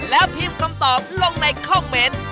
แล้วพิมพ์คำตอบลงในคอมเมนต์